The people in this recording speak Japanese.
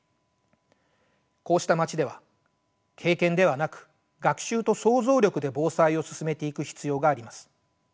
こうした街では経験ではなく学習と想像力で防災を進めていく必要があります。